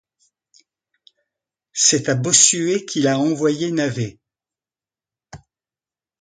C’est à Bossuet qu’il a envoyé Navet.